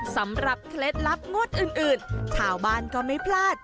สำหรับเคล็ดลับงดอื่นชาวบ้านก็ไม่พลาด